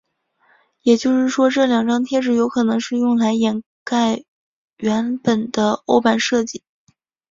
也就是说这两张贴纸有可能是用来掩盖原本的欧版设计。